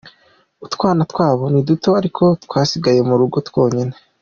Utwana twabo ni duto ariko twasigaye mu rugo twonyine.